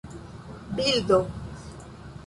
bildo